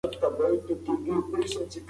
میړه او ښځه د یو بل لباس دي.